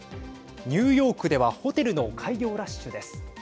ニューヨークではホテルの開業ラッシュです。